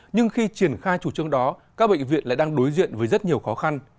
nhưng khi triển khai chủ trương đó các bệnh viện lại đang đối diện với rất nhiều khó khăn